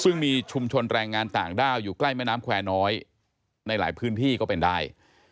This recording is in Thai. ซึ่งมีชุมชนแรงงานต่างด้าวอยู่ใกล้แม่น้ำแควร์น้อยในหลายพื้นที่ก็เป็นได้